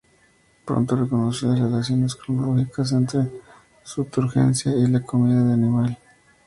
Pronto reconoció las relaciones cronológicas entre su turgencia y la comida del animal.